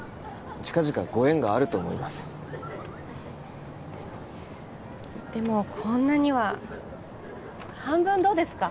近々ご縁があると思いますでもこんなには半分どうですか？